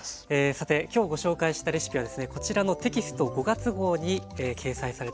さて今日ご紹介したレシピはですねこちらのテキスト５月号に掲載されています。